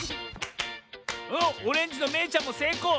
おっオレンジのめいちゃんもせいこう！